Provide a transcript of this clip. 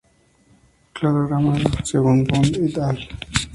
Cladograma según Bond "et al.